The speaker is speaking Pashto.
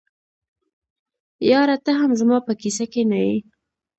یاره ته هم زما په کیسه کي نه یې.